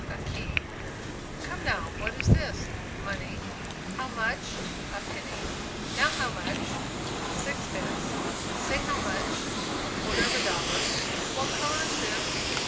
a key; "Come now, what is this?" money; "How much?" a penny; "Now how much?" sixpence; "Say how much," a quarter of a dollar; "What color is this?"